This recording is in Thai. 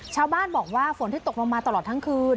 ชาวบ้านบอกว่าฝนที่ตกลงมาตลอดทั้งคืน